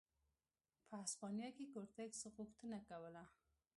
په هسپانیا کې کورتس غوښتنه کوله.